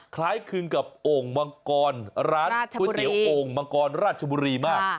คล้ายคลึงกับโอ่งมังกรร้านก๋วยเตี๋ยวโอ่งมังกรราชบุรีมาก